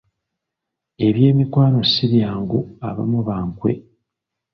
Eby’emikwano si byangu, abamu ba nkwe.